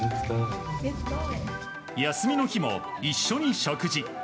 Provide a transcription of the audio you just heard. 休みの日も、一緒に食事。